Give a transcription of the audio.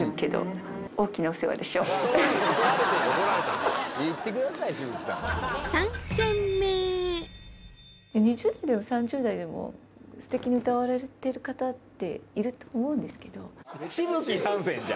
２０代でも３０代でも素敵に歌われてる方っていると思うんですけど。